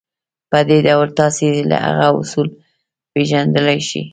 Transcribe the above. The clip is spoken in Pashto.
په دې ډول تاسې هغه اصول پېژندلای شئ.